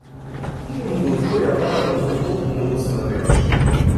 Тие му го отворија патот на кој толку многу се надеваше.